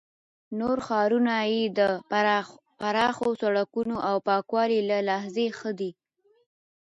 نور ښارونه یې د پراخو سړکونو او پاکوالي له لحاظه ښه دي.